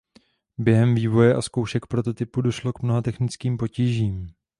Během vývoje a zkoušek prototypu došlo k mnoha technickým potížím.